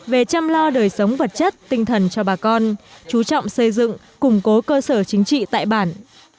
về chăm lo đời sống vật chất tinh thần cho bà con chú trọng xây dựng củng cố cơ sở chính trị tại bản